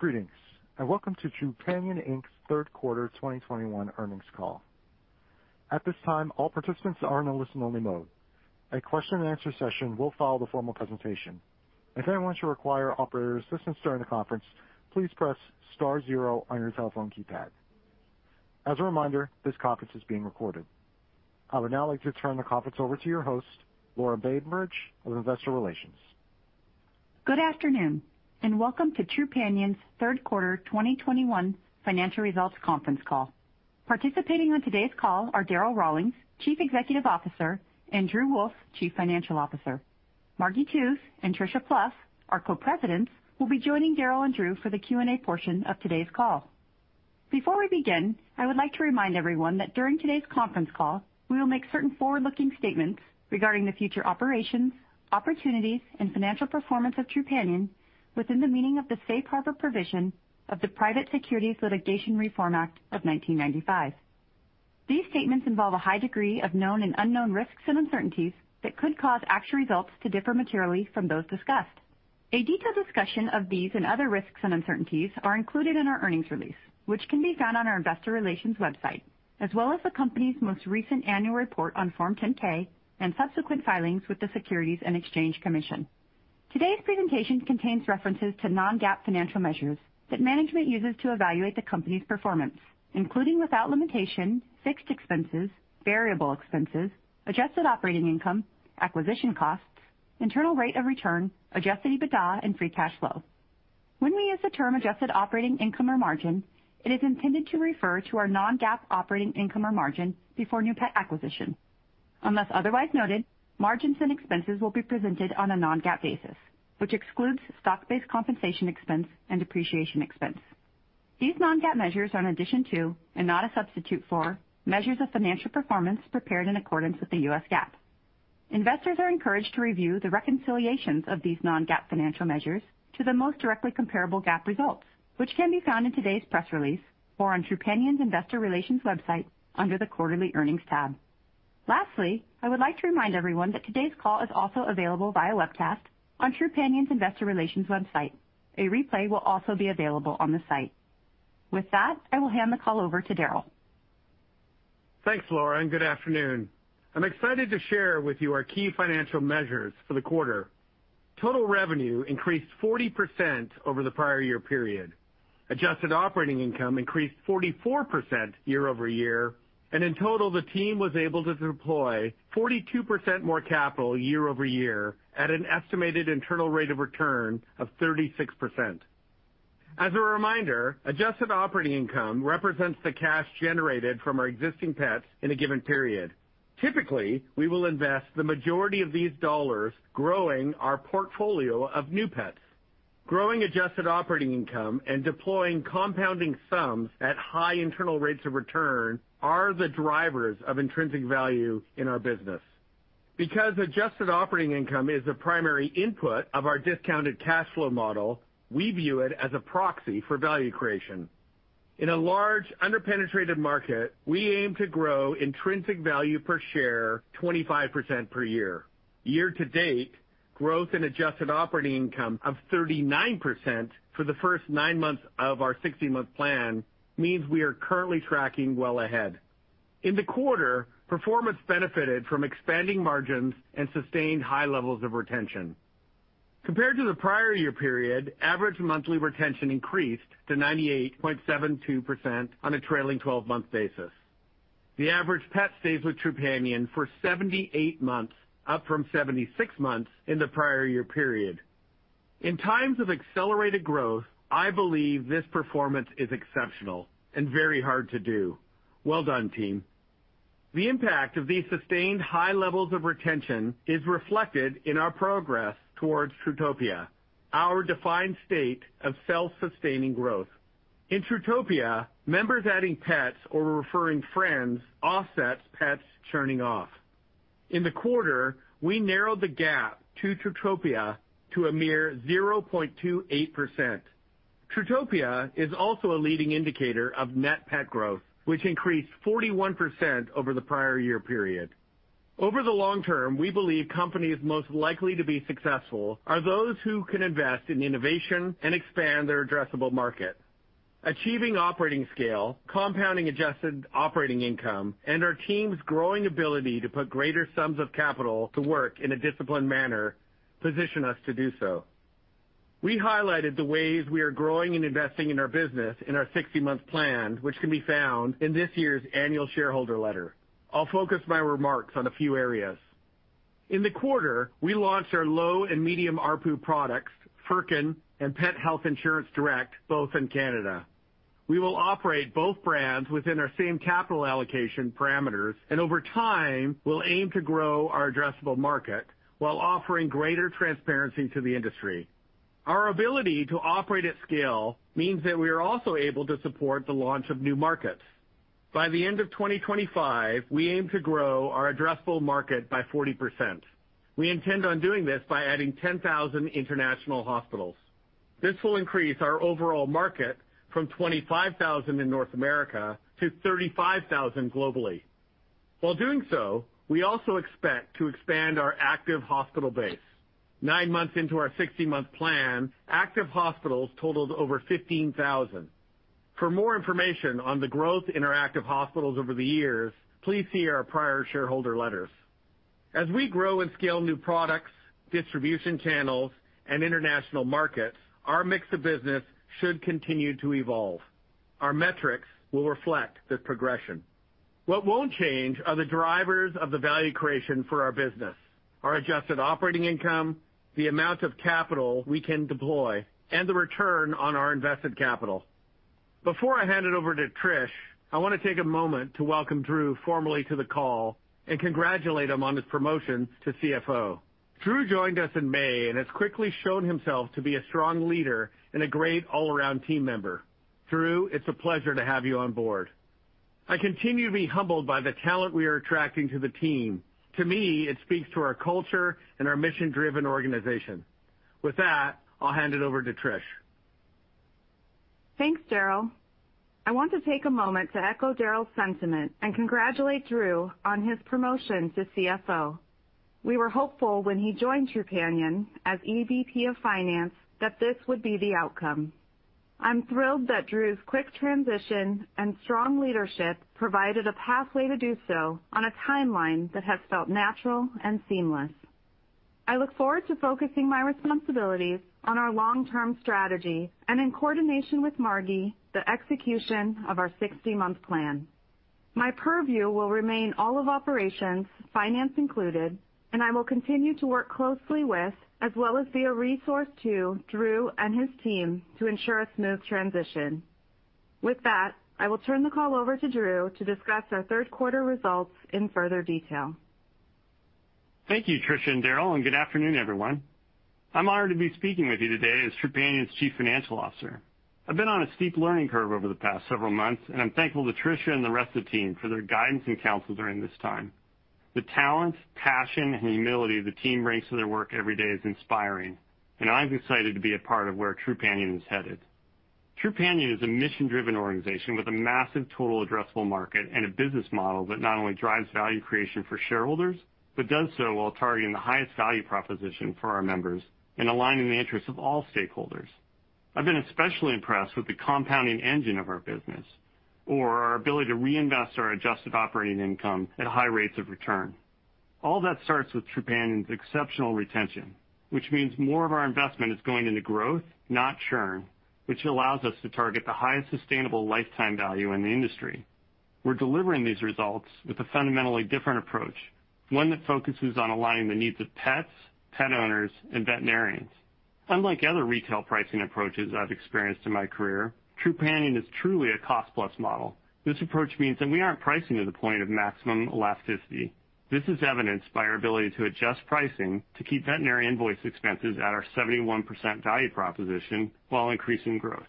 Greetings, welcome to Trupanion, Inc.'s third quarter 2021 earnings call. At this time, all participants are in a listen-only mode. A question and answer session will follow the formal presentation. If anyone should require operator assistance during the conference, please press star zero on your telephone keypad. As a reminder, this conference is being recorded. I would now like to turn the conference over to your host, Laura Bainbridge of Investor Relations. Good afternoon, and welcome to Trupanion's third quarter 2021 financial results conference call. Participating on today's call are Darryl Rawlings, Chief Executive Officer, and Drew Wolff, Chief Financial Officer. Margi Tooth and Tricia Plouf, our co-presidents, will be joining Darryl and Drew for the Q&A portion of today's call. Before we begin, I would like to remind everyone that during today's conference call, we will make certain forward-looking statements regarding the future operations, opportunities, and financial performance of Trupanion within the meaning of the safe harbor provision of the Private Securities Litigation Reform Act of 1995. These statements involve a high degree of known and unknown risks and uncertainties that could cause actual results to differ materially from those discussed. A detailed discussion of these and other risks and uncertainties are included in our earnings release, which can be found on our investor relations website, as well as the company's most recent annual report on Form 10-K and subsequent filings with the Securities and Exchange Commission. Today's presentation contains references to non-GAAP financial measures that management uses to evaluate the company's performance, including without limitation, fixed expenses, variable expenses, adjusted operating income, acquisition costs, internal rate of return, adjusted EBITDA and free cash flow. When we use the term adjusted operating income or margin, it is intended to refer to our non-GAAP operating income or margin before new pet acquisition. Unless otherwise noted, margins and expenses will be presented on a non-GAAP basis, which excludes stock-based compensation expense and depreciation expense. These non-GAAP measures are in addition to and not a substitute for measures of financial performance prepared in accordance with the U.S. GAAP. Investors are encouraged to review the reconciliations of these non-GAAP financial measures to the most directly comparable GAAP results, which can be found in today's press release or on Trupanion's investor relations website under the Quarterly Earnings tab. Lastly, I would like to remind everyone that today's call is also available via webcast on Trupanion's investor relations website. A replay will also be available on the site. With that, I will hand the call over to Darryl. Thanks, Laura, and good afternoon. I'm excited to share with you our key financial measures for the quarter. Total revenue increased 40% over the prior year period. Adjusted operating income increased 44% year-over-year. In total, the team was able to deploy 42% more capital year-over-year at an estimated internal rate of return of 36%. As a reminder, adjusted operating income represents the cash generated from our existing pets in a given period. Typically, we will invest the majority of these dollars growing our portfolio of new pets. Growing adjusted operating income and deploying compounding sums at high internal rates of return are the drivers of intrinsic value in our business. Because adjusted operating income is the primary input of our discounted cash flow model, we view it as a proxy for value creation. In a large under-penetrated market, we aim to grow intrinsic value per share 25% per year. Year to date, growth in adjusted operating income of 39% for the first nine months of our 60-month plan means we are currently tracking well ahead. In the quarter, performance benefited from expanding margins and sustained high levels of retention. Compared to the prior year period, average monthly retention increased to 98.72% on a trailing 12-month basis. The average pet stays with Trupanion for 78 months, up from 76 months in the prior year period. In times of accelerated growth, I believe this performance is exceptional and very hard to do. Well done, team. The impact of these sustained high levels of retention is reflected in our progress towards TruTopia, our defined state of self-sustaining growth. In TruTopia, members adding pets or referring friends offsets pets churning off. In the quarter, we narrowed the gap to TruTopia to a mere 0.28%. TruTopia is also a leading indicator of net pet growth, which increased 41% over the prior year period. Over the long term, we believe companies most likely to be successful are those who can invest in innovation and expand their addressable market. Achieving operating scale, compounding adjusted operating income, and our team's growing ability to put greater sums of capital to work in a disciplined manner position us to do so. We highlighted the ways we are growing and investing in our business in our 60-month plan, which can be found in this year's annual shareholder letter. I'll focus my remarks on a few areas. In the quarter, we launched our low and medium ARPU products, Furkin and PHI Direct, both in Canada. We will operate both brands within our same capital allocation parameters, and over time, we'll aim to grow our addressable market while offering greater transparency to the industry. Our ability to operate at scale means that we are also able to support the launch of new markets. By the end of 2025, we aim to grow our addressable market by 40%. We intend on doing this by adding 10,000 international hospitals. This will increase our overall market from 25,000 in North America to 35,000 globally. While doing so, we also expect to expand our active hospital base. Nine months into our 60-month plan, active hospitals totaled over 15,000. For more information on the growth in our active hospitals over the years, please see our prior shareholder letters. As we grow and scale new products, distribution channels, and international markets, our mix of business should continue to evolve. Our metrics will reflect this progression. What won't change are the drivers of the value creation for our business, our adjusted operating income, the amount of capital we can deploy, and the return on our invested capital. Before I hand it over to Tricia, I wanna take a moment to welcome Drew formally to the call and congratulate him on his promotion to CFO. Drew joined us in May and has quickly shown himself to be a strong leader and a great all-around team member. Drew, it's a pleasure to have you on board. I continue to be humbled by the talent we are attracting to the team. To me, it speaks to our culture and our mission-driven organization. With that, I'll hand it over to Tricia. Thanks, Darryl. I want to take a moment to echo Darryl's sentiment and congratulate Drew on his promotion to CFO. We were hopeful when he joined Trupanion as EVP of Finance that this would be the outcome. I'm thrilled that Drew's quick transition and strong leadership provided a pathway to do so on a timeline that has felt natural and seamless. I look forward to focusing my responsibilities on our long-term strategy, and in coordination with Margi, the execution of our 60-month plan. My purview will remain all of operations, finance included, and I will continue to work closely with, as well as be a resource to, Drew and his team to ensure a smooth transition. With that, I will turn the call over to Drew to discuss our third quarter results in further detail. Thank you, Tricia and Darryl, and good afternoon, everyone. I'm honored to be speaking with you today as Trupanion's Chief Financial Officer. I've been on a steep learning curve over the past several months, and I'm thankful to Tricia and the rest of the team for their guidance and counsel during this time. The talent, passion, and humility the team brings to their work every day is inspiring, and I'm excited to be a part of where Trupanion is headed. Trupanion is a mission-driven organization with a massive total addressable market and a business model that not only drives value creation for shareholders but does so while targeting the highest value proposition for our members and aligning the interests of all stakeholders. I've been especially impressed with the compounding engine of our business or our ability to reinvest our adjusted operating income at high rates of return. All that starts with Trupanion's exceptional retention, which means more of our investment is going into growth, not churn, which allows us to target the highest sustainable lifetime value in the industry. We're delivering these results with a fundamentally different approach, one that focuses on aligning the needs of pets, pet owners, and veterinarians. Unlike other retail pricing approaches I've experienced in my career, Trupanion is truly a cost-plus model. This approach means that we aren't pricing to the point of maximum elasticity. This is evidenced by our ability to adjust pricing to keep veterinary invoice expenses at our 71% value proposition while increasing growth.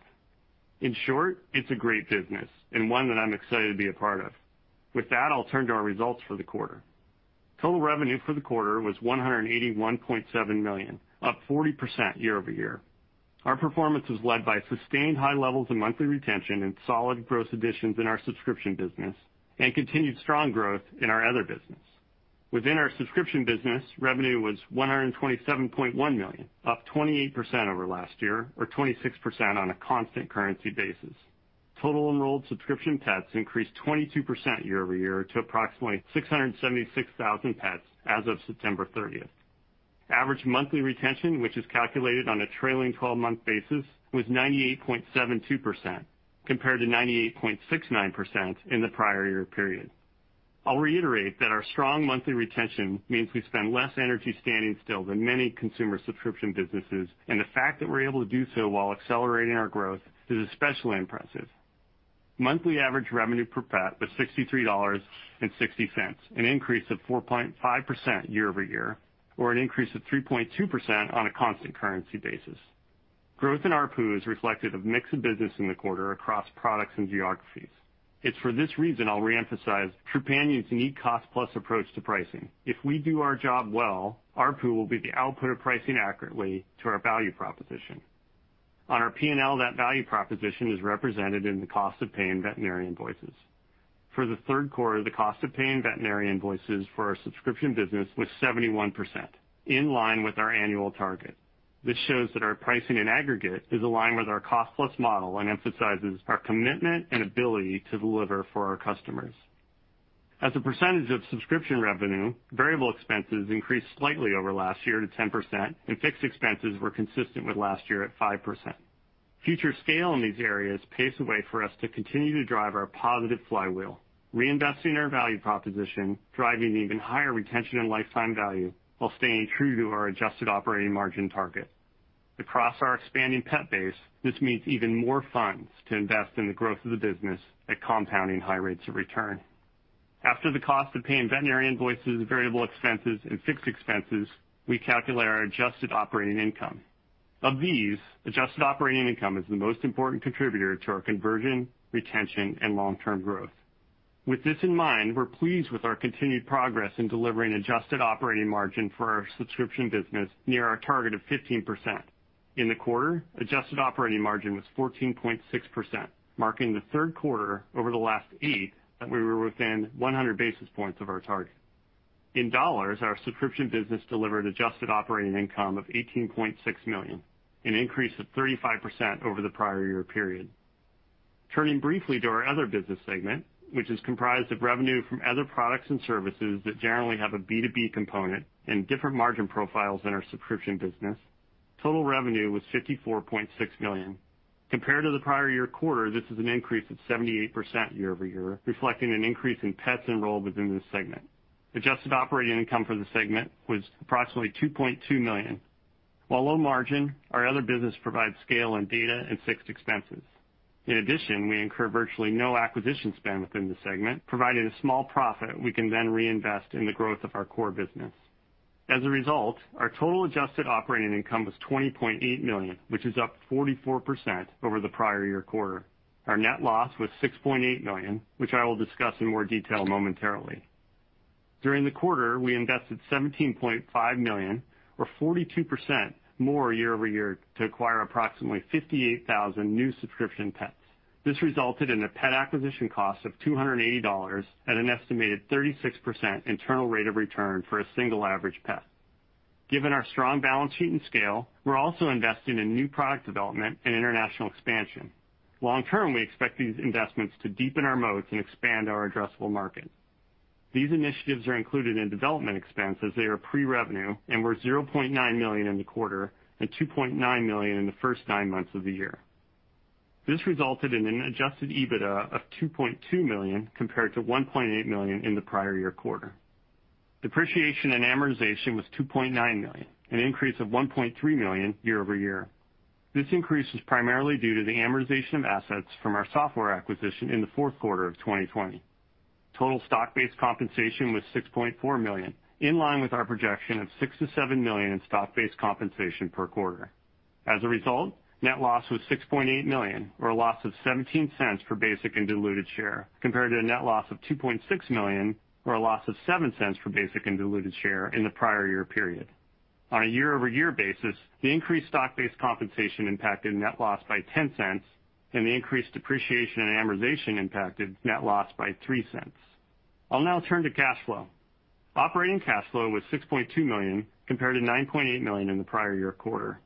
In short, it's a great business and one that I'm excited to be a part of. With that, I'll turn to our results for the quarter. Total revenue for the quarter was $181.7 million, up 40% year-over-year. Our performance was led by sustained high levels of monthly retention and solid gross additions in our subscription business and continued strong growth in our other business. Within our subscription business, revenue was $127.1 million, up 28% over last year or 26% on a constant currency basis. Total enrolled subscription pets increased 22% year-over-year to approximately 676,000 pets as of September 30. Average monthly retention, which is calculated on a trailing twelve-month basis, was 98.72% compared to 98.69% in the prior year period. I'll reiterate that our strong monthly retention means we spend less energy standing still than many consumer subscription businesses, and the fact that we're able to do so while accelerating our growth is especially impressive. Monthly average revenue per pet was $63.60, an increase of 4.5% year-over-year, or an increase of 3.2% on a constant currency basis. Growth in ARPU is reflective of mix of business in the quarter across products and geographies. It's for this reason I'll reemphasize our cost-plus approach to pricing. If we do our job well, ARPU will be the output of pricing accurately to our value proposition. On our P&L, that value proposition is represented in the cost of paying veterinary invoices. For the third quarter, the cost of paying veterinary invoices for our subscription business was 71%, in line with our annual target. This shows that our pricing in aggregate is aligned with our cost-plus model and emphasizes our commitment and ability to deliver for our customers. As a percentage of subscription revenue, variable expenses increased slightly over last year to 10%, and fixed expenses were consistent with last year at 5%. Future scale in these areas paves the way for us to continue to drive our positive flywheel, reinvesting our value proposition, driving even higher retention and lifetime value while staying true to our adjusted operating margin target. Across our expanding pet base, this means even more funds to invest in the growth of the business at compounding high rates of return. After the cost of paying veterinary invoices, variable expenses, and fixed expenses, we calculate our adjusted operating income. Of these, adjusted operating income is the most important contributor to our conversion, retention, and long-term growth. With this in mind, we're pleased with our continued progress in delivering adjusted operating margin for our subscription business near our target of 15%. In the quarter, adjusted operating margin was 14.6%, marking the third quarter over the last eight that we were within 100 basis points of our target. In dollars, our subscription business delivered adjusted operating income of $18.6 million, an increase of 35% over the prior year period. Turning briefly to our other business segment, which is comprised of revenue from other products and services that generally have a B2B component and different margin profiles than our subscription business, total revenue was $54.6 million. Compared to the prior year quarter, this is an increase of 78% year-over-year, reflecting an increase in pets enrolled within this segment. Adjusted operating income for the segment was approximately $2.2 million. While low margin, our other business provides scale on data and fixed expenses. In addition, we incur virtually no acquisition spend within the segment, providing a small profit we can then reinvest in the growth of our core business. As a result, our total adjusted operating income was $20.8 million, which is up 44% over the prior year quarter. Our net loss was $6.8 million, which I will discuss in more detail momentarily. During the quarter, we invested $17.5 million or 42% more year-over-year to acquire approximately 58,000 new subscription pets. This resulted in a pet acquisition cost of $280 at an estimated 36% internal rate of return for a single average pet. Given our strong balance sheet and scale, we're also investing in new product development and international expansion. Long term, we expect these investments to deepen our moats and expand our addressable market. These initiatives are included in development expense as they are pre-revenue and were $0.9 million in the quarter and $2.9 million in the first nine months of the year. This resulted in an adjusted EBITDA of $2.2 million compared to $1.8 million in the prior year quarter. Depreciation and amortization was $2.9 million, an increase of $1.3 million year-over-year. This increase was primarily due to the amortization of assets from our software acquisition in the fourth quarter of 2020. Total stock-based compensation was $6.4 million, in line with our projection of $6 to $7 million in stock-based compensation per quarter. As a result, net loss was $6.8 million or a loss of $0.17 per basic and diluted share, compared to a net loss of $2.6 million or a loss of $0.07 per basic and diluted share in the prior year period. On a year-over-year basis, the increased stock-based compensation impacted net loss by $0.10, and the increased depreciation and amortization impacted net loss by $0.03. I'll now turn to cash flow. Operating cash flow was $6.2 million compared to $9.8 million in the prior year quarter.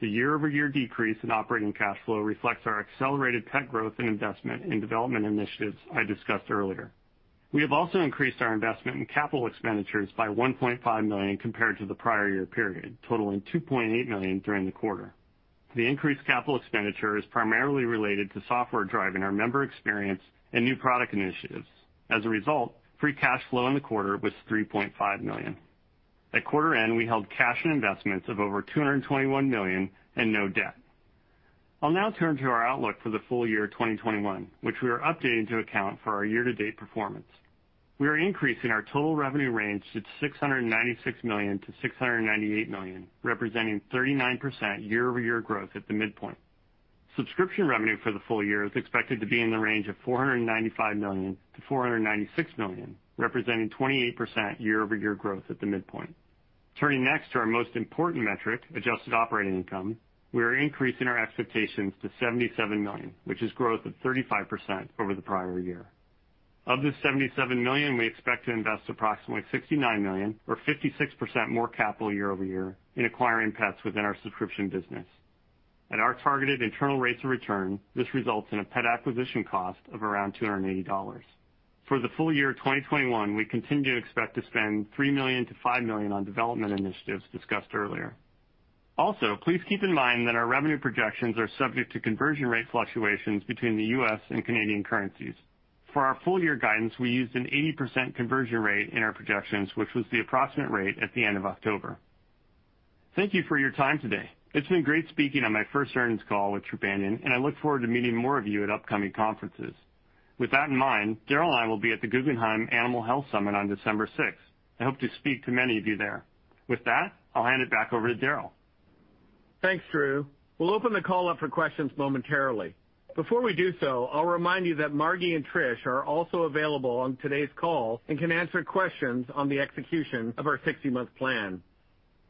The year-over-year decrease in operating cash flow reflects our accelerated pet growth and investment in development initiatives I discussed earlier. We have also increased our investment in capital expenditures by $1.5 million compared to the prior year period, totaling $2.8 million during the quarter. The increased capital expenditure is primarily related to software driving our member experience and new product initiatives. As a result, free cash flow in the quarter was $3.5 million. At quarter end, we held cash and investments of over $221 million and no debt. I'll now turn to our outlook for the full year 2021, which we are updating to account for our year-to-date performance. We are increasing our total revenue range to $696 million to $698 million, representing 39% year-over-year growth at the midpoint. Subscription revenue for the full year is expected to be in the range of $495 million to $496 million, representing 28% year-over-year growth at the midpoint. Turning next to our most important metric, adjusted operating income, we are increasing our expectations to $77 million, which is growth of 35% over the prior year. Of the $77 million, we expect to invest approximately $69 million or 56% more capital year-over-year in acquiring pets within our subscription business. At our targeted internal rates of return, this results in a pet acquisition cost of around $280. For the full year 2021, we continue to expect to spend $3 million to $5 million on development initiatives discussed earlier. Please keep in mind that our revenue projections are subject to conversion rate fluctuations between the U.S. and Canadian currencies. For our full year guidance, we used an 80% conversion rate in our projections, which was the approximate rate at the end of October. Thank you for your time today. It's been great speaking on my first earnings call with Trupanion, and I look forward to meeting more of you at upcoming conferences. With that in mind, Darryl and I will be at the Guggenheim Animal Health Summit on December 6. I hope to speak to many of you there. With that, I'll hand it back over to Darryl. Thanks, Drew. We'll open the call up for questions momentarily. Before we do so, I'll remind you that Margi and Tricia are also available on today's call and can answer questions on the execution of our 60-month plan.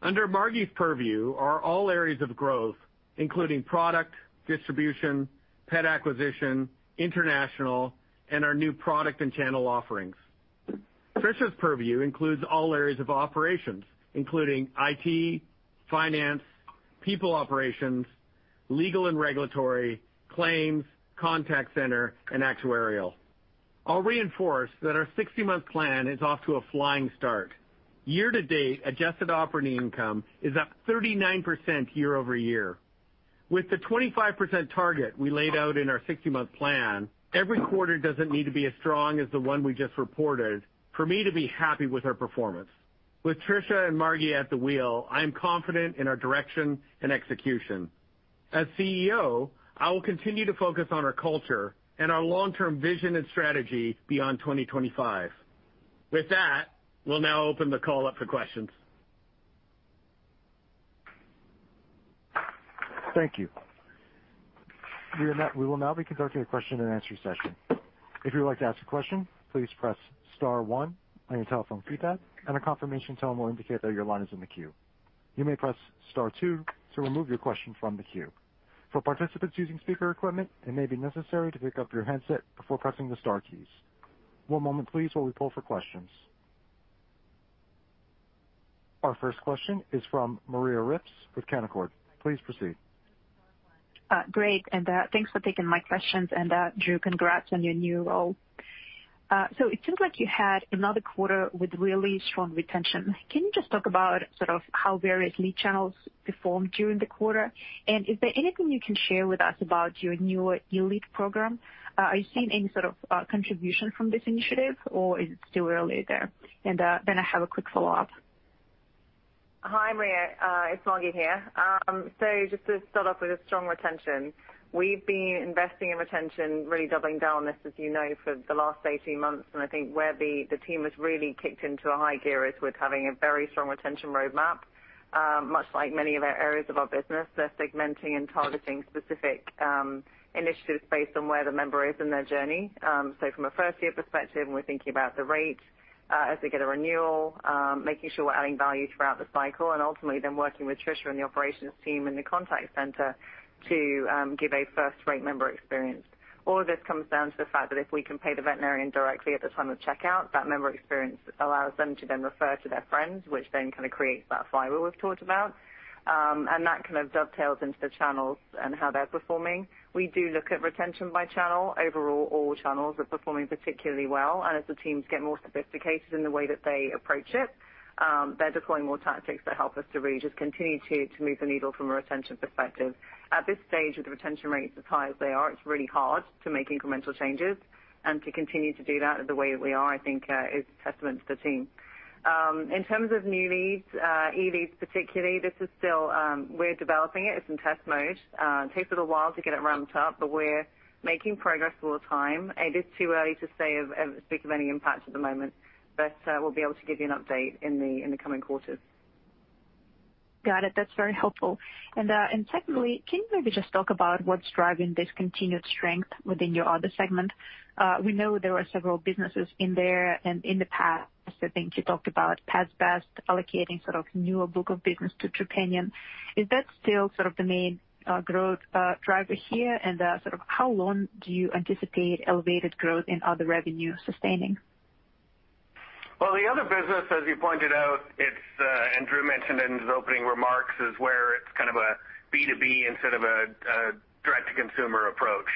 Under Margi's purview are all areas of growth, including product, distribution, pet acquisition, international, and our new product and channel offerings. Tricia's purview includes all areas of operations, including IT, finance, people operations, legal and regulatory, claims, contact center, and actuarial. I'll reinforce that our 60-month plan is off to a flying start. Year to date, adjusted operating income is up 39% year-over-year. With the 25% target we laid out in our 60-month plan, every quarter doesn't need to be as strong as the one we just reported for me to be happy with our performance. With Tricia and Margi at the wheel, I am confident in our direction and execution. As CEO, I will continue to focus on our culture and our long-term vision and strategy beyond 2025. With that, we'll now open the call up for questions. Thank you. We will now be conducting a question-and-answer session. If you would like to ask a question, please press star one on your telephone keypad, and a confirmation tone will indicate that your line is in the queue. You may press star two to remove your question from the queue. For participants using speaker equipment, it may be necessary to pick up your handset before pressing the star keys. One moment please while we pull for questions. Our first question is from Maria Ripps with Canaccord. Please proceed. Great, thanks for taking my questions. Drew, congrats on your new role. It seems like you had another quarter with really strong retention. Can you just talk about sort of how various lead channels performed during the quarter? Is there anything you can share with us about your newer eLead program? Are you seeing any sort of contribution from this initiative or is it still early there? I have a quick follow-up. Hi, Maria, it's Margi here. So just to start off with a strong retention. We've been investing in retention, really doubling down on this, as you know, for the last 18 months. I think where the team has really kicked into a high gear is with having a very strong retention roadmap. Much like many of our areas of our business, they're segmenting and targeting specific initiatives based on where the member is in their journey. So from a first-year perspective, and we're thinking about the rate as they get a renewal, making sure we're adding value throughout the cycle and ultimately then working with Tricia and the operations team in the contact center to give a first-rate member experience. All of this comes down to the fact that if we can pay the veterinarian directly at the time of checkout, that member experience allows them to then refer to their friends, which then kind of creates that flywheel we've talked about. And that kind of dovetails into the channels and how they're performing. We do look at retention by channel. Overall, all channels are performing particularly well. As the teams get more sophisticated in the way that they approach it, they're deploying more tactics that help us to really just continue to move the needle from a retention perspective. At this stage, with the retention rates as high as they are, it's really hard to make incremental changes. To continue to do that the way we are, I think, is a testament to the team. In terms of new leads, e-leads particularly, this is still we're developing it. It's in test mode. It takes a while to get it ramped up, but we're making progress all the time. It is too early to speak of any impact at the moment, but we'll be able to give you an update in the coming quarters. Got it. That's very helpful. Secondly, can you maybe just talk about what's driving this continued strength within your other segment? We know there are several businesses in there, and in the past, I think you talked about Pets Best allocating sort of newer book of business to Trupanion. Is that still sort of the main growth driver here? Sort of, how long do you anticipate elevated growth in other revenue sustaining? The other business, as you pointed out, it's, and Drew mentioned it in his opening remarks, is where it's kind of a B2B instead of a direct-to-consumer approach.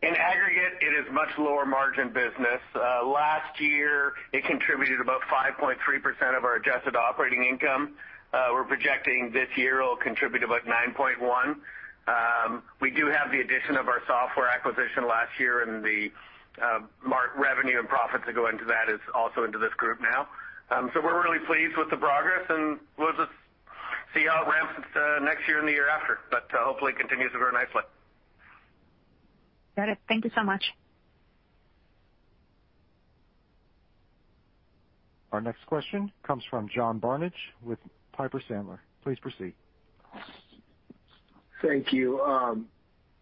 In aggregate, it is much lower margin business. Last year it contributed about 5.3% of our adjusted operating income. We're projecting this year it'll contribute about 9.1%. We do have the addition of our software acquisition last year and the revenue and profits that go into that is also into this group now. So we're really pleased with the progress, and we'll just see how it ramps next year and the year after. Hopefully it continues very nicely. Got it. Thank you so much. Our next question comes from John Barnidge with Piper Sandler. Please proceed. Thank you,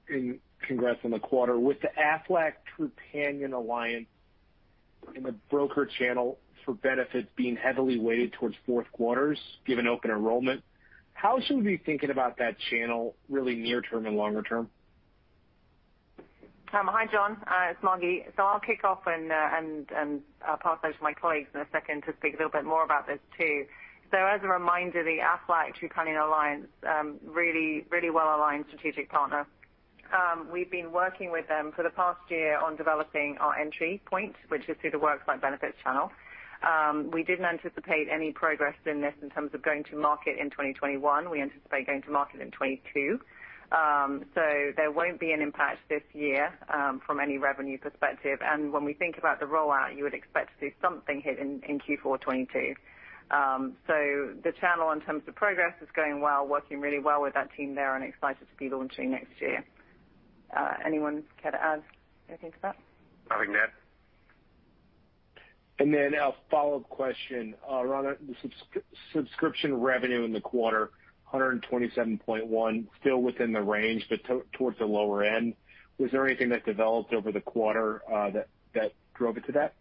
and congrats on the quarter. With the Aflac Trupanion Alliance and the broker channel for benefits being heavily weighted towards fourth quarters, given open enrollment, how should we be thinking about that channel really near term and longer term? Hi, John, it's Margi. I'll kick off and I'll pass over to my colleagues in a second to speak a little bit more about this too. As a reminder, the Aflac Trupanion Alliance, really, really well aligned strategic partner. We've been working with them for the past year on developing our entry point, which is through the works like benefits channel. We didn't anticipate any progress in this in terms of going to market in 2021. We anticipate going to market in 2022. There won't be an impact this year, from any revenue perspective. When we think about the rollout, you would expect to see something hit in Q4 2022. The channel in terms of progress is going well, working really well with that team there and excited to be launching next year. Anyone care to add anything to that? Nothing to add. Follow-up question. On a subscription revenue in the quarter, $127.1 million, still within the range, but towards the lower end. Was there anything that developed over the quarter that drove it to that?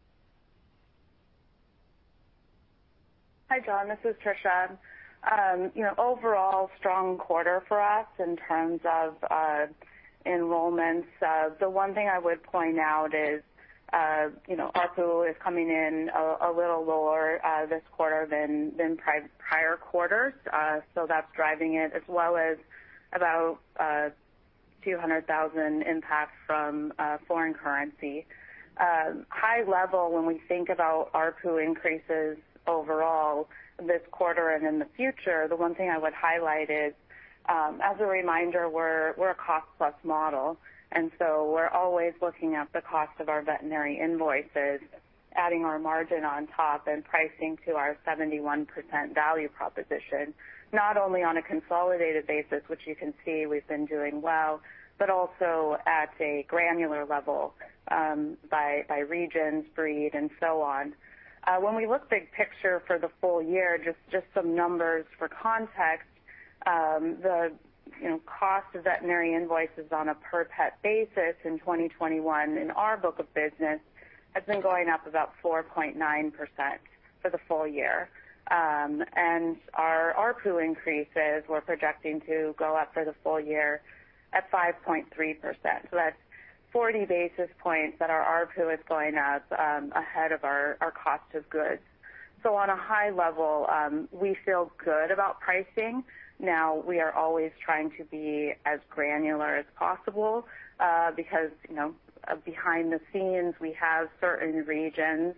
Hi, John, this is Tricia. You know, overall strong quarter for us in terms of enrollments. The one thing I would point out is you know, ARPU is coming in a little lower this quarter than prior quarters. So that's driving it, as well as about $200,000 impact from foreign currency. High level, when we think about ARPU increases overall this quarter and in the future, the one thing I would highlight is as a reminder, we're a cost-plus model, and so we're always looking at the cost of our veterinary invoices, adding our margin on top and pricing to our 71% value proposition, not only on a consolidated basis, which you can see we've been doing well. But also at a granular level, by regions, breed and so on. When we look big picture for the full year, just some numbers for context, you know, the cost of veterinary invoices on a per pet basis in 2021 in our book of business has been going up about 4.9% for the full year. Our ARPU increases, we're projecting to go up for the full year at 5.3%. That's 40 basis points that our ARPU is going up ahead of our cost of goods. On a high level, we feel good about pricing. Now, we are always trying to be as granular as possible, because, you know, behind the scenes, we have certain regions,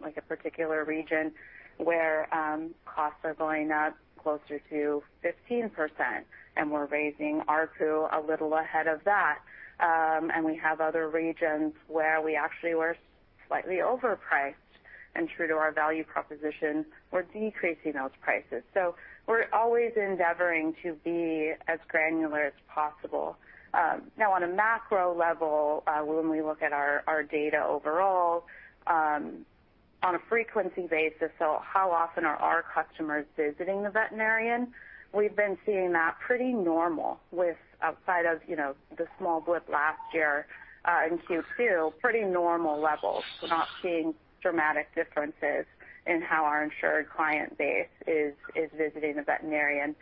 like a particular region where costs are going up closer to 15%, and we're raising ARPU a little ahead of that. We have other regions where we actually were slightly overpriced, and true to our value proposition, we're decreasing those prices. We're always endeavoring to be as granular as possible. Now on a macro level, when we look at our data overall, on a frequency basis, so how often are our customers visiting the veterinarian? We've been seeing that pretty normal, outside of, you know, the small blip last year in Q2, pretty normal levels. We're not seeing dramatic differences in how our insured client base is visiting the veterinarian.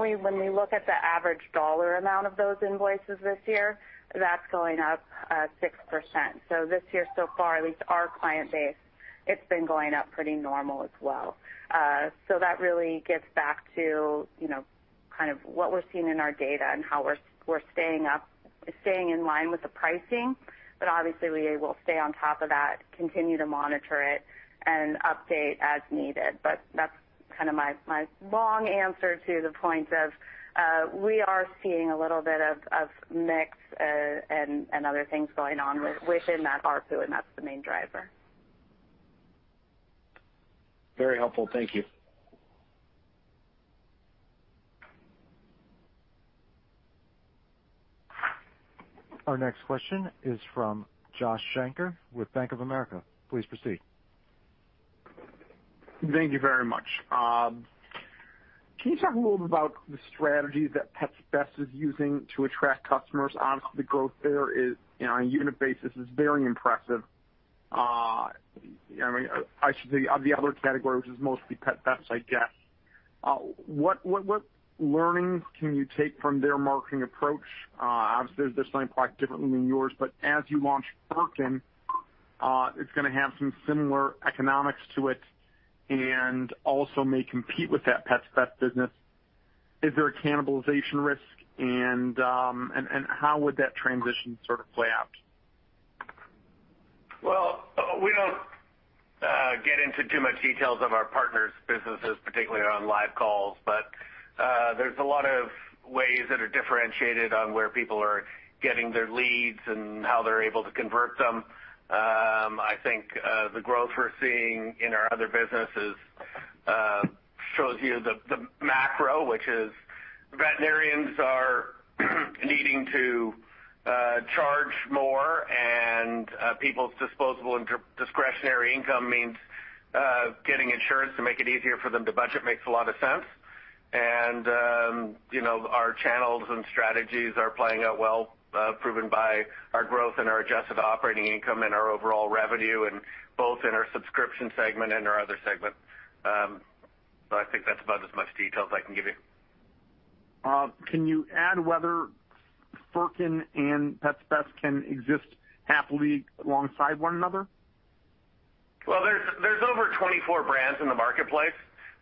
We, when we look at the average dollar amount of those invoices this year, that's going up 6%. This year so far, at least our client base, it's been going up pretty normal as well. That really gets back to, you know, kind of what we're seeing in our data and how we're staying in line with the pricing. Obviously we will stay on top of that, continue to monitor it and update as needed. That's kind of my long answer to the point of we are seeing a little bit of mix and other things going on within that ARPU, and that's the main driver. Very helpful. Thank you. Our next question is from Joshua Shanker with Bank of America. Please proceed. Thank you very much. Can you talk a little bit about the strategies that Pets Best is using to attract customers? Honestly, the growth there is, you know, on a unit basis is very impressive. I mean, I should say of the other category, which is mostly Pets Best, I guess. What learnings can you take from their marketing approach? Obviously they're signed quite differently than yours, but as you launch Furkin, it's gonna have some similar economics to it and also may compete with that Pets Best business. Is there a cannibalization risk? How would that transition sort of play out? Well, we don't get into too much details of our partners' businesses, particularly on live calls. There's a lot of ways that are differentiated on where people are getting their leads and how they're able to convert them. I think the growth we're seeing in our other businesses shows you the macro, which is veterinarians are needing to charge more, and people's disposable and discretionary income means getting insurance to make it easier for them to budget makes a lot of sense. You know, our channels and strategies are playing out well, proven by our growth and our adjusted operating income and our overall revenue and both in our subscription segment and our other segment. I think that's about as much details I can give you. Can you add whether Furkin and Pets Best can exist happily alongside one another? Well, there's over 24 brands in the marketplace.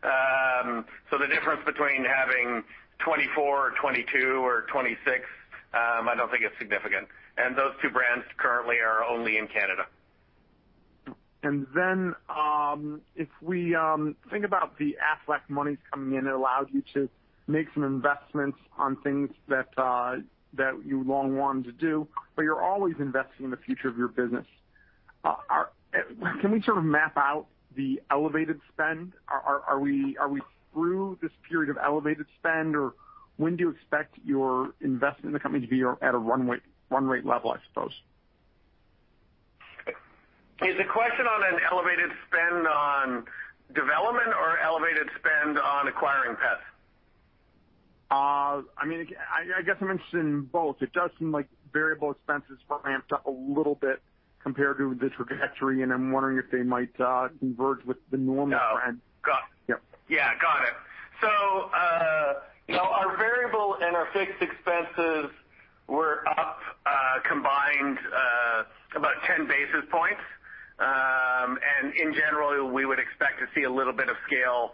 The difference between having 24 or 22 or 26, I don't think, is significant. Those two brands currently are only in Canada. If we think about the Aflac monies coming in, it allows you to make some investments on things that you long wanted to do, but you're always investing in the future of your business. Can we sort of map out the elevated spend? Are we through this period of elevated spend, or when do you expect your investment in the company to be at a run rate level, I suppose? Is the question on an elevated spend on development or elevated spend on acquiring pets? I mean, I guess I'm interested in both. It does seem like variable expenses ramped up a little bit compared to this trajectory, and I'm wondering if they might converge with the normal trend. No. Yep. Yeah, got it. You know, our variable and our fixed expenses were up, combined, about 10 basis points. In general, we would expect to see a little bit of scale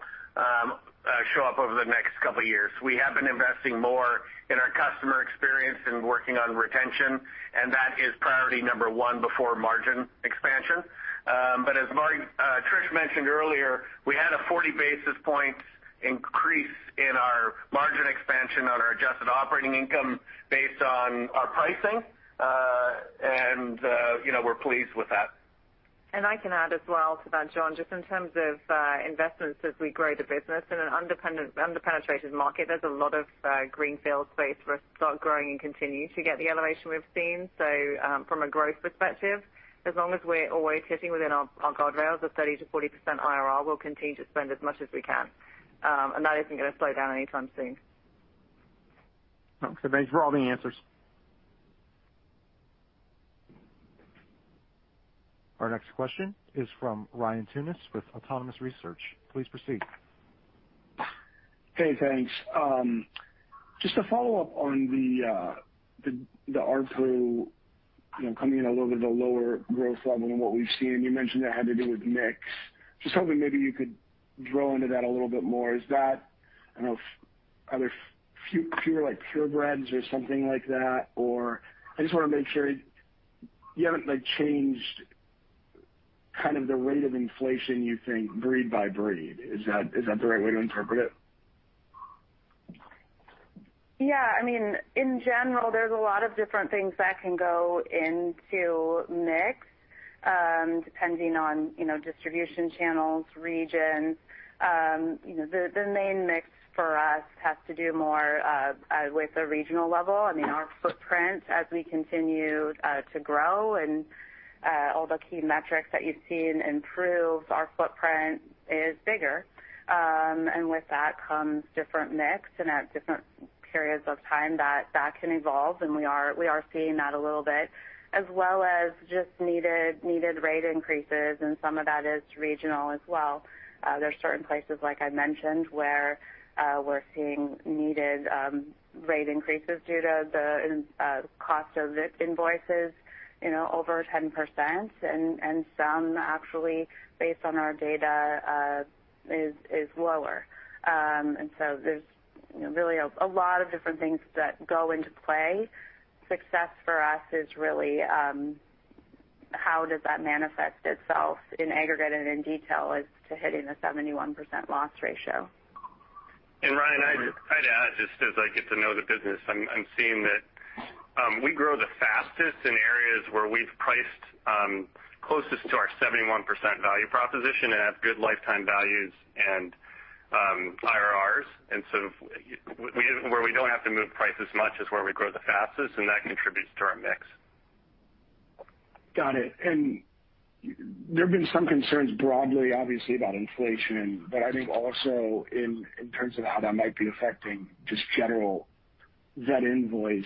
show up over the next couple years. We have been investing more in our customer experience and working on retention, and that is priority number one before margin expansion. As Tricia mentioned earlier, we had a 40 basis points increase in our margin expansion on our adjusted operating income based on our pricing. You know, we're pleased with that. I can add as well to that, John, just in terms of investments as we grow the business. In an underpenetrated market, there's a lot of greenfield space for us to start growing and continue to get the elevation we've seen. From a growth perspective, as long as we're always hitting within our guardrails of 30% IRR to 40% IRR, we'll continue to spend as much as we can. That isn't gonna slow down anytime soon. Okay. Thanks for all the answers. Our next question is from Ryan Tunis with Autonomous Research. Please proceed. Hey, thanks. Just to follow up on the ARPU, you know, coming in a little bit of a lower growth level than what we've seen, you mentioned that had to do with mix. Just hoping maybe you could drill into that a little bit more. Is that, I don't know, are there fewer like purebreds or something like that? Or I just wanna make sure you haven't, like, changed kind of the rate of inflation you think breed by breed. Is that the right way to interpret it? Yeah, I mean, in general, there's a lot of different things that can go into mix, depending on, you know, distribution channels, regions. You know, the main mix for us has to do more with the regional level. I mean, our footprint as we continue to grow and all the key metrics that you've seen improve, our footprint is bigger. And with that comes different mix and at different periods of time that can evolve, and we are seeing that a little bit, as well as just needed rate increases, and some of that is regional as well. There's certain places, like I mentioned, where we're seeing needed rate increases due to the cost of invoices, you know, over 10%, and some actually based on our data is lower. There's you know, really a lot of different things that go into play. Success for us is really how does that manifest itself in aggregate and in detail as to hitting the 71% loss ratio. Ryan, I'd add, just as I get to know the business, I'm seeing that we grow the fastest in areas where we've priced closest to our 71% value proposition and have good lifetime values and IRRs. Where we don't have to move price as much is where we grow the fastest, and that contributes to our mix. Got it. There have been some concerns broadly obviously about inflation, but I think also in terms of how that might be affecting just general vet invoice.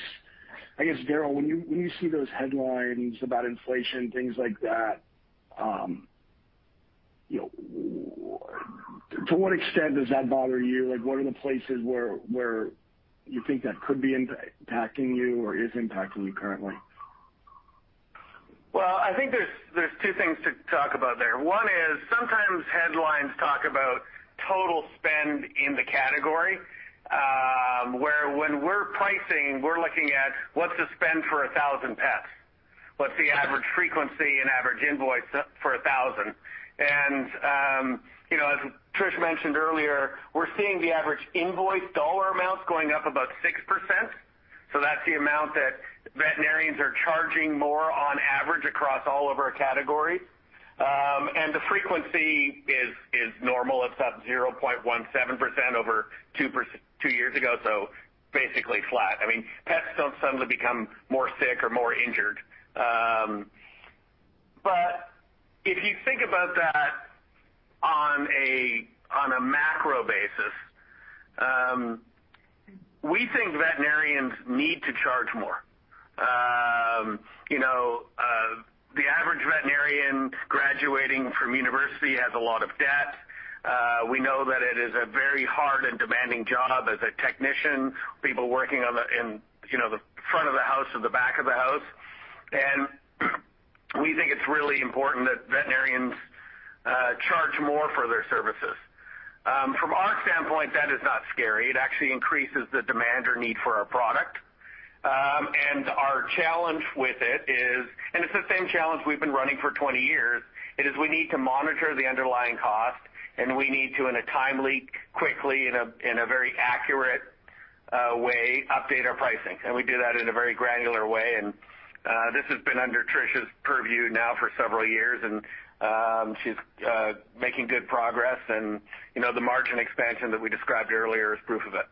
I guess, Darryl, when you see those headlines about inflation, things like that, you know, to what extent does that bother you? Like, what are the places where you think that could be impacting you or is impacting you currently? Well, I think there's two things to talk about there. One is sometimes headlines talk about total spend in the category, where when we're pricing, we're looking at what's the spend for 1,000 pets. What's the average frequency and average invoice for 1,000. You know, as Tricia mentioned earlier, we're seeing the average invoice dollar amounts going up about 6%. So that's the amount that veterinarians are charging more on average across all of our categories. The frequency is normal. It's up 0.17% over two years ago, so basically flat. I mean, pets don't suddenly become more sick or more injured. If you think about that on a macro basis, we think veterinarians need to charge more. You know, the average veterinarian graduating from university has a lot of debt. We know that it is a very hard and demanding job as a technician, people working on the, in, you know, the front of the house or the back of the house. We think it's really important that veterinarians charge more for their services. From our standpoint, that is not scary. It actually increases the demand or need for our product. Our challenge with it is, and it's the same challenge we've been running for 20 years, it is we need to monitor the underlying cost, and we need to, in a timely, quick, accurate way, update our pricing. We do that in a very granular way. This has been under Tricia's purview now for several years, and she's making good progress. You know, the margin expansion that we described earlier is proof of it.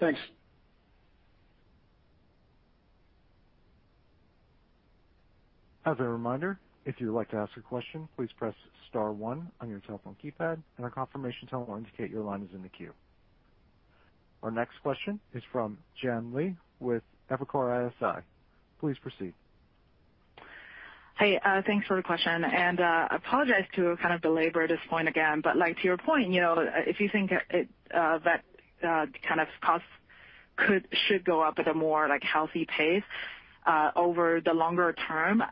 Thanks. As a reminder, if you would like to ask a question, please press star one on your telephone keypad and a confirmation tone will indicate your line is in the queue. Our next question is from Jon Lee with Evercore ISI. Please proceed. Hi, thanks for the question. I apologize to kind of belabor this point again, but like, to your point, you know, if you think it, vet kind of costs should go up at a more, like, healthy pace, over the longer term,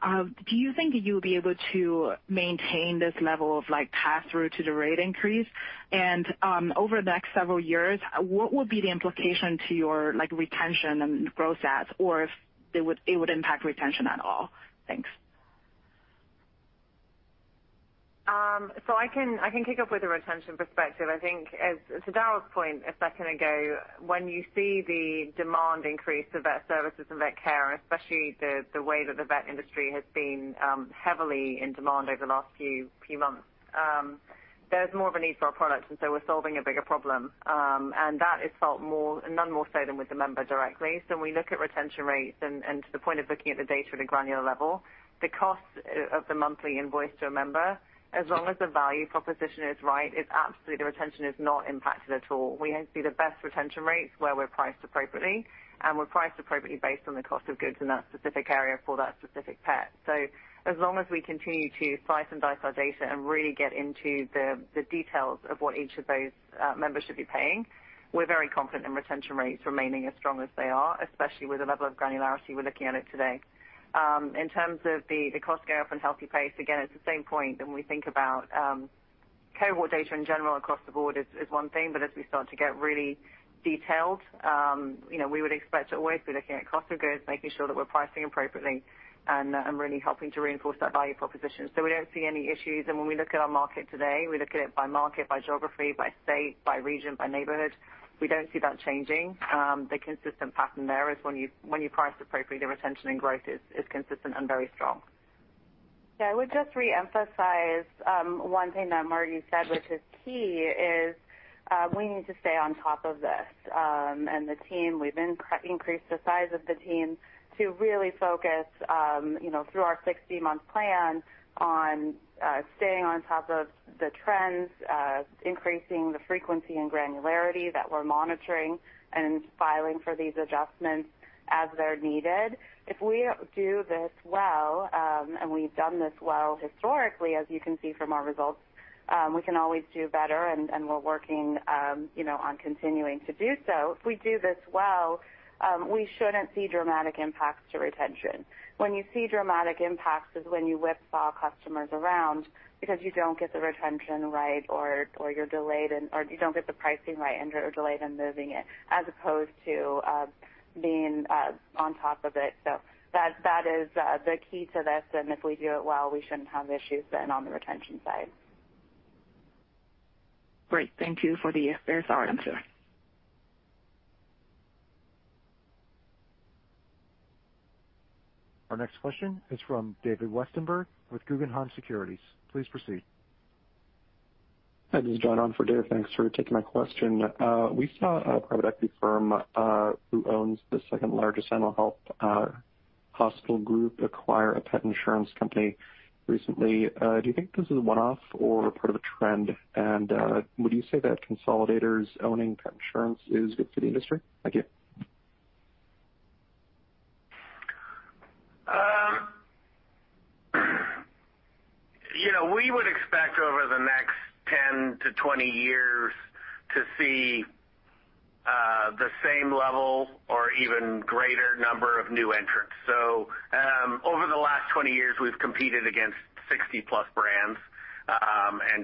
do you think you'll be able to maintain this level of, like, pass-through to the rate increase? Over the next several years, what would be the implication to your, like, retention and growth stats or if it would impact retention at all? Thanks. I can kick off with a retention perspective. I think to Darryl's point a second ago, when you see the demand increase for vet services and vet care, and especially the way that the vet industry has been heavily in demand over the last few months, there's more of a need for our product, and we're solving a bigger problem. That is felt no more so than with the member directly. When we look at retention rates and to the point of looking at the data at a granular level, the cost of the monthly invoice to a member, as long as the value proposition is right, it's absolutely the retention is not impacted at all. We see the best retention rates where we're priced appropriately, and we're priced appropriately based on the cost of goods in that specific area for that specific pet. As long as we continue to slice and dice our data and really get into the details of what each of those members should be paying, we're very confident in retention rates remaining as strong as they are, especially with the level of granularity we're looking at it today. In terms of the cost gap and healthy pace, again, it's the same point when we think about COBO data in general across the board is one thing, but as we start to get really detailed, you know, we would expect to always be looking at cost of goods, making sure that we're pricing appropriately and really helping to reinforce that value proposition. We don't see any issues. When we look at our market today, we look at it by market, by geography, by state, by region, by neighborhood. We don't see that changing. The consistent pattern there is when you price appropriately, the retention and growth is consistent and very strong. Yeah, I would just reemphasize one thing that Margi said, which is key, is we need to stay on top of this. The team, we've increased the size of the team to really focus, you know, through our 60-month plan on staying on top of the trends, increasing the frequency and granularity that we're monitoring and filing for these adjustments as they're needed. If we do this well, and we've done this well historically, as you can see from our results, we can always do better and we're working, you know, on continuing to do so. If we do this well, we shouldn't see dramatic impacts to retention. When you see dramatic impacts is when you whipsaw customers around because you don't get the retention right or you're delayed or you don't get the pricing right and you're delayed in moving it as opposed to being on top of it. That is the key to this, and if we do it well, we shouldn't have issues then on the retention side. Great. Thank you for your thoughts. Thank you. Our next question is from David Westenberg with Guggenheim Securities. Please proceed. Hi, this is John on for Dave. Thanks for taking my question. We saw a private equity firm who owns the second-largest animal health hospital group acquire a pet insurance company recently. Do you think this is one-off or part of a trend? Would you say that consolidators owning pet insurance is good for the industry? Thank you. You know, we would expect over the next 10 years to 20 years to see the same level or even greater number of new entrants. Over the last 20 years, we've competed against 60+ brands.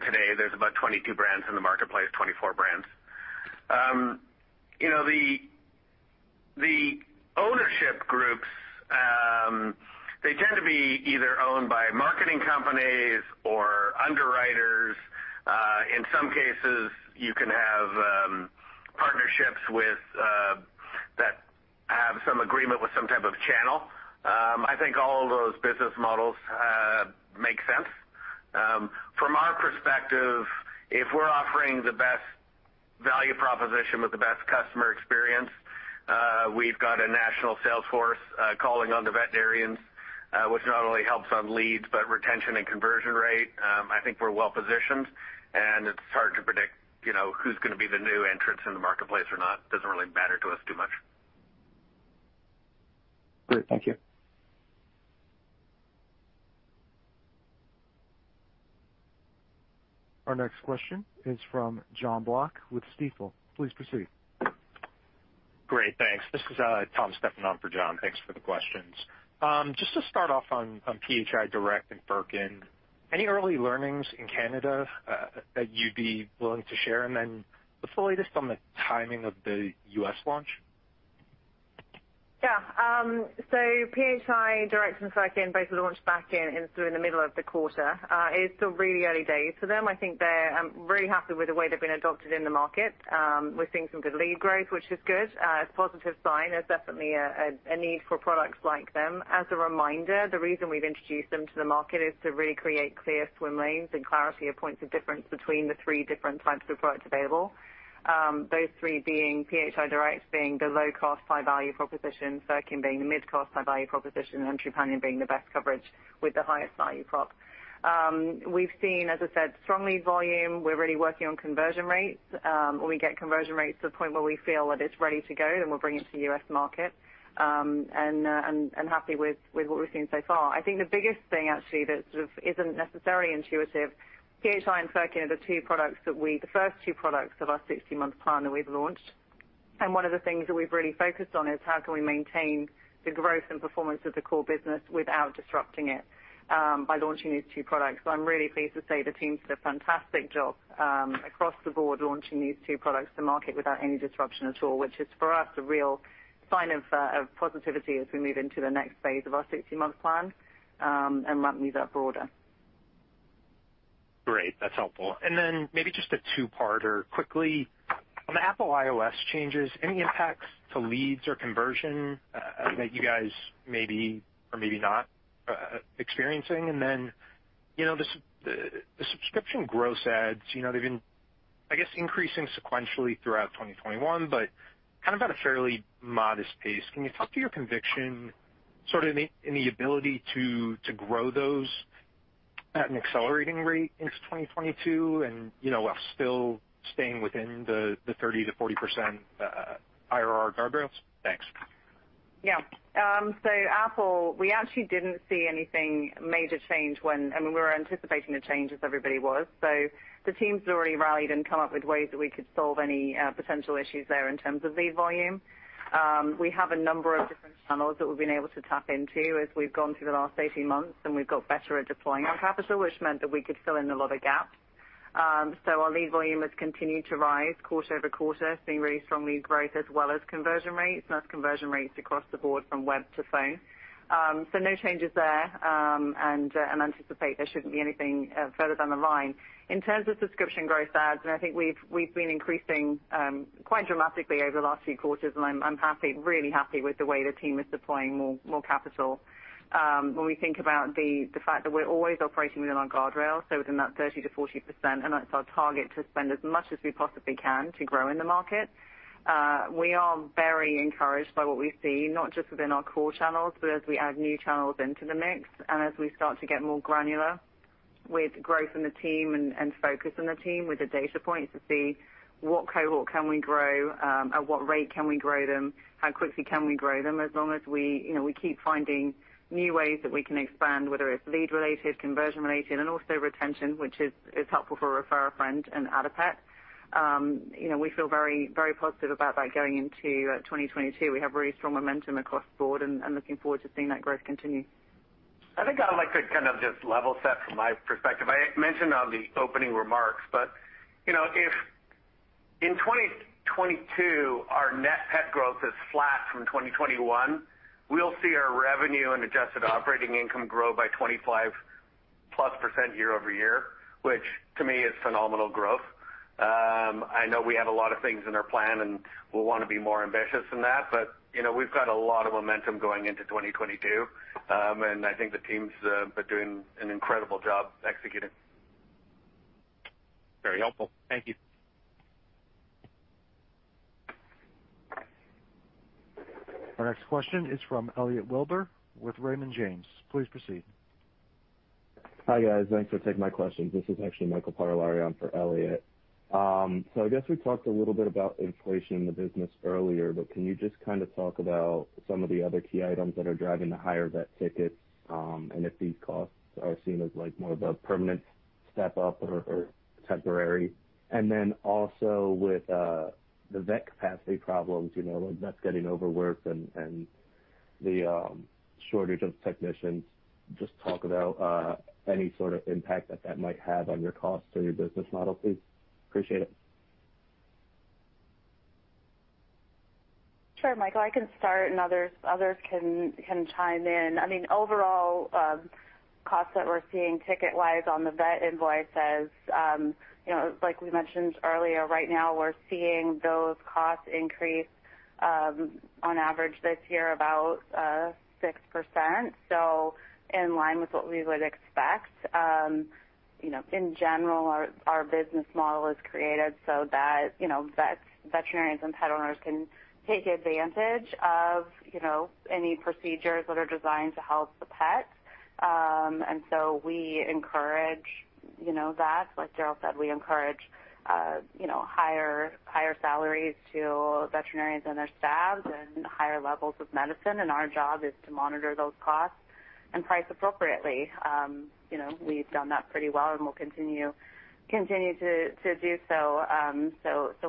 Today there's about 22 brands in the marketplace, 24 brands. The ownership groups, they tend to be either owned by marketing companies or underwriters. In some cases, you can have partnerships with that have some agreement with some type of channel. I think all of those business models make sense. From our perspective, if we're offering the best value proposition with the best customer experience, we've got a national sales force calling on the veterinarians, which not only helps on leads, but retention and conversion rate. I think we're well positioned, and it's hard to predict, you know, who's gonna be the new entrants in the marketplace or not. Doesn't really matter to us too much. Great. Thank you. Our next question is from Jonathan Block with Stifel. Please proceed. Great. Thanks. This is Tom stepping in for John. Thanks for the questions. Just to start off on PHI Direct and Furkin, any early learnings in Canada, you'd be willing to share? Then what's the latest on the timing of the U.S. launch? Yeah. So PHI Direct and Furkin both were launched back in through the middle of the quarter. It's still really early days for them. I think they're really happy with the way they've been adopted in the market. We're seeing some good lead growth, which is good. It's a positive sign. There's definitely a need for products like them. As a reminder, the reason we've introduced them to the market is to really create clear swim lanes and clarity of points of difference between the three different types of products available. Those three being PHI Direct being the low cost, high value proposition, Furkin being the mid cost, high value proposition, and Trupanion being the best coverage with the highest value prop. We've seen, as I said, strong lead volume. We're really working on conversion rates. When we get conversion rates to the point where we feel that it's ready to go, then we'll bring it to the U.S. market, and happy with what we've seen so far. I think the biggest thing actually that sort of isn't necessarily intuitive. PHI and Furkin are the first two products of our 60-month plan that we've launched. One of the things that we've really focused on is how can we maintain the growth and performance of the core business without disrupting it by launching these two products. I'm really pleased to say the team's done a fantastic job across the board, launching these two products to market without any disruption at all, which is for us a real sign of positivity as we move into the next phase of our 60-month plan and ramp these up broader. That's helpful. Maybe just a two-parter quickly. On the Apple iOS changes, any impacts to leads or conversion that you guys may be or maybe not experiencing? You know, the subscription gross adds, you know, they've been, I guess, increasing sequentially throughout 2021, but kind of at a fairly modest pace. Can you talk to your conviction, sort of any ability to grow those at an accelerating rate into 2022 and, you know, while still staying within the 30% IRR to 40% IRR guardrails? Thanks. Yeah. Apple, we actually didn't see anything major change. I mean, we were anticipating a change as everybody was. The teams already rallied and come up with ways that we could solve any potential issues there in terms of lead volume. We have a number of different channels that we've been able to tap into as we've gone through the last 18 months, and we've got better at deploying our capital, which meant that we could fill in a lot of gaps. Our lead volume has continued to rise quarter-over-quarter, seeing really strong lead growth as well as conversion rates, and that's conversion rates across the board from web to phone. No changes there, and anticipate there shouldn't be anything further down the line. In terms of subscription gross adds, I think we've been increasing quite dramatically over the last few quarters, and I'm happy, really happy with the way the team is deploying more capital. When we think about the fact that we're always operating within our guardrails, so within that 30% to 40%, and that's our target to spend as much as we possibly can to grow in the market, we are very encouraged by what we see, not just within our core channels, but as we add new channels into the mix and as we start to get more granular with growth in the team and focus on the team with the data points to see what cohort can we grow, at what rate can we grow them, how quickly can we grow them, as long as we, you know, we keep finding new ways that we can expand, whether it's lead-related, conversion-related, and also retention, which is helpful for Refer a Friend and Add-a-Pet. You know, we feel very, very positive about that going into 2022. We have really strong momentum across the board and looking forward to seeing that growth continue. I think I'd like to kind of just level set from my perspective. I mentioned on the opening remarks, but, you know, if in 2022, our net pet growth is flat from 2021, we'll see our revenue and adjusted operating income grow by 25%+ year-over-year, which to me is phenomenal growth. I know we have a lot of things in our plan, and we'll wanna be more ambitious than that, but, you know, we've got a lot of momentum going into 2022, and I think the teams are doing an incredible job executing. Very helpful. Thank you. Our next question is from Elliot Wilbur with Raymond James. Please proceed. Hi, guys. Thanks for taking my questions. This is actually Michael Parlarian for Elliot. So I guess we talked a little bit about inflation in the business earlier, but can you just kind of talk about some of the other key items that are driving the higher vet tickets, and if these costs are seen as, like, more of a permanent step-up or temporary? Then also with the vet capacity problems, you know, like vets getting overworked and the shortage of technicians, just talk about any sort of impact that that might have on your costs or your business model, please. Appreciate it. Sure, Michael. I can start, and others can chime in. I mean, overall, costs that we're seeing ticket-wise on the vet invoice as, you know, like we mentioned earlier, right now we're seeing those costs increase, on average this year about 6%, so in line with what we would expect. You know, in general our business model is created so that, you know, vets, veterinarians and pet owners can take advantage of, you know, any procedures that are designed to help the pet. We encourage, you know, that. Like Darryl said, we encourage, you know, higher salaries to veterinarians and their staffs and higher levels of medicine, and our job is to monitor those costs and price appropriately. You know, we've done that pretty well, and we'll continue to do so.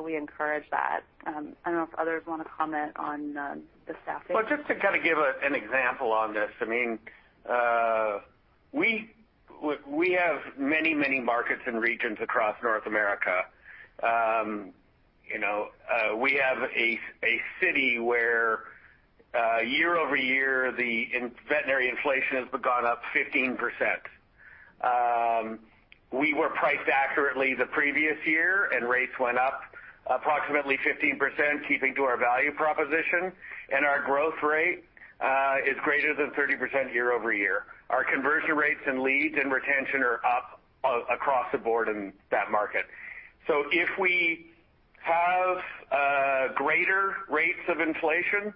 We encourage that. I don't know if others wanna comment on the staffing. Well, just to kind of give an example on this, I mean, we have many markets and regions across North America. You know, we have a city where year-over-year, the veterinary inflation has gone up 15%. We were priced accurately the previous year, and rates went up approximately 15%, keeping to our value proposition, and our growth rate is greater than 30% year-over-year. Our conversion rates and leads and retention are up across the board in that market. If we have greater rates of inflation,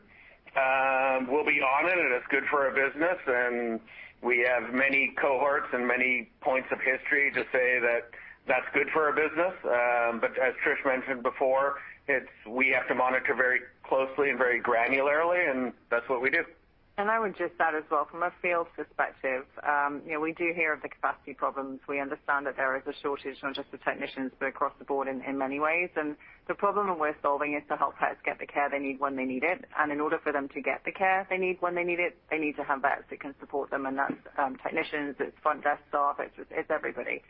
we'll be on it and it's good for our business, and we have many cohorts and many points of history to say that that's good for our business. As Tricia mentioned before, we have to monitor very closely and very granularly, and that's what we do. I would just add as well from a field perspective, you know, we do hear of the capacity problems. We understand that there is a shortage, not just of technicians, but across the board in many ways. The problem we're solving is to help pets get the care they need when they need it, and in order for them to get the care they need when they need it, they need to have vets that can support them, and that's technicians, it's front desk staff, it's everybody.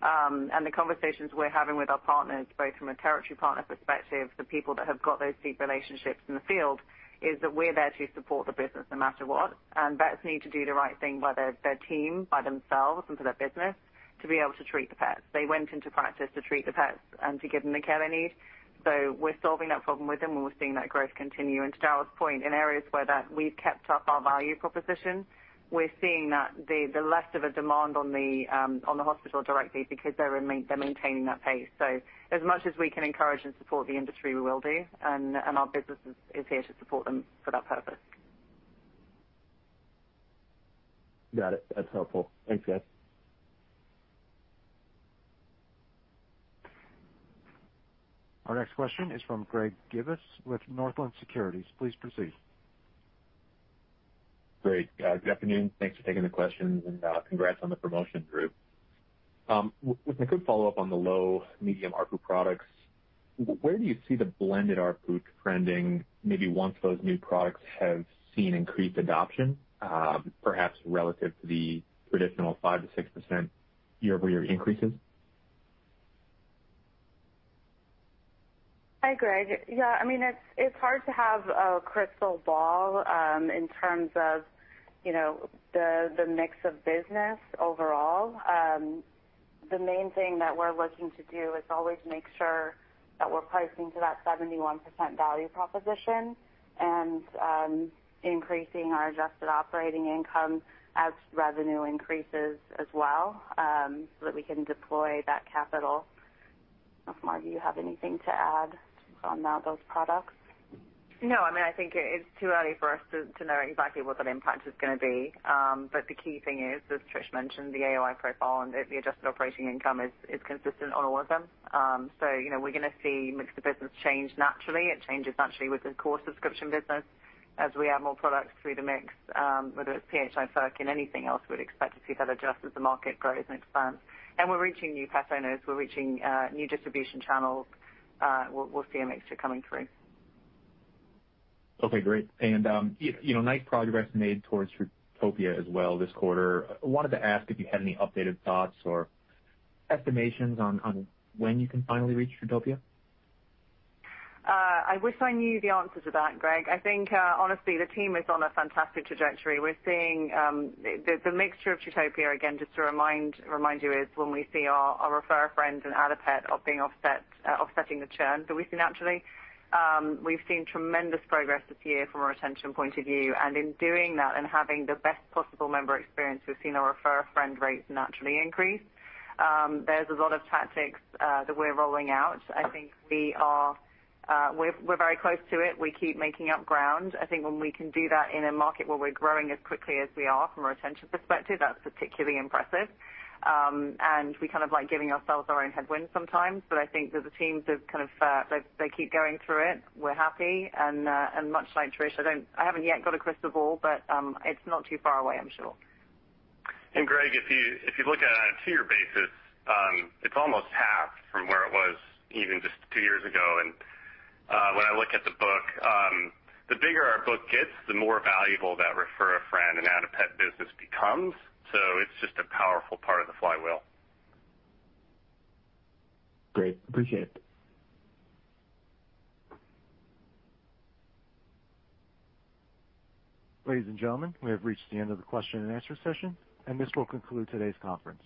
The conversations we're having with our partners, both from a territory partner perspective, the people that have got those deep relationships in the field, is that we're there to support the business no matter what. Vets need to do the right thing by their team, by themselves, and for their business to be able to treat the pets. They went into practice to treat the pets and to give them the care they need. We're solving that problem with them, and we're seeing that growth continue. To Darryl's point, in areas where that we've kept up our value proposition, we're seeing that the less of a demand on the hospital directly because they're maintaining that pace. As much as we can encourage and support the industry, we will do, and our business is here to support them for that purpose. Got it. That's helpful. Thanks, guys. Our next question is from Greg Gibas with Northland Securities. Please proceed. Great. Good afternoon. Thanks for taking the questions, and, congrats on the promotion, Drew. With a quick follow-up on the low medium ARPU products, where do you see the blended ARPU trending, maybe once those new products have seen increased adoption, perhaps relative to the traditional 5% year-over-year to 6% year-over-year increases? Hi, Greg. Yeah, I mean, it's hard to have a crystal ball in terms of you know the mix of business overall. The main thing that we're looking to do is always make sure that we're pricing to that 71% value proposition and increasing our adjusted operating income as revenue increases as well so that we can deploy that capital. Mark, do you have anything to add on those products? No, I mean, I think it's too early for us to know exactly what that impact is gonna be. The key thing is, as Tricia mentioned, the AOI profile and the adjusted operating income is consistent on all of them. You know, we're gonna see mix of business change naturally. It changes naturally with the core subscription business as we add more products through the mix, whether it's PHI, Furkin and anything else, we'd expect to see that adjust as the market grows and expands. We're reaching new pet owners, we're reaching new distribution channels, we'll see a mixture coming through. Okay, great. You know, nice progress made towards TruTopia as well this quarter. I wanted to ask if you had any updated thoughts or estimations on when you can finally reach TruTopia. I wish I knew the answer to that, Greg. I think, honestly, the team is on a fantastic trajectory. We're seeing the metric of TruTopia, again, just to remind you, is when we see our Refer a Friend and Add-a-Pet offsetting the churn that we see naturally. We've seen tremendous progress this year from a retention point of view. In doing that and having the best possible member experience, we've seen our Refer a Friend rates naturally increase. There's a lot of tactics that we're rolling out. I think we're very close to it. We keep making up ground. I think when we can do that in a market where we're growing as quickly as we are from a retention perspective, that's particularly impressive. We kind of like giving ourselves our own headwind sometimes, but I think that the teams kind of keep going through it. We're happy, and much like Tricia, I haven't yet got a crystal ball, but it's not too far away, I'm sure. Greg, if you look at it on a two-year basis, it's almost half from where it was even just two years ago. When I look at the book, the bigger our book gets, the more valuable that Refer a Friend and Add-a-Pet business becomes. It's just a powerful part of the flywheel. Great. Appreciate it. Ladies and gentlemen, we have reached the end of the question and answer session, and this will conclude today's conference.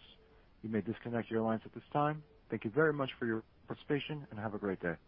You may disconnect your lines at this time. Thank you very much for your participation, and have a great day.